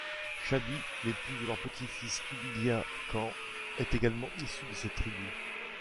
Chabi, l'épouse de leur petit-fils Kubilai Khan, est également issue de cette tribu.